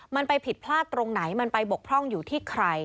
มันไปผิดพลาดตรงไหนมันไปบกพร่องอยู่ที่ใคร